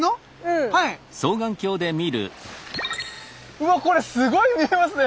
うわっこれすごい見えますね！